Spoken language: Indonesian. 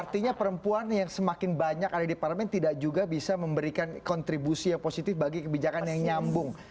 artinya perempuan yang semakin banyak ada di parlemen tidak juga bisa memberikan kontribusi yang positif bagi kebijakan yang nyambung